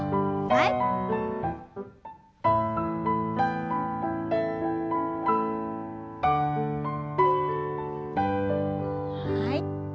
はい。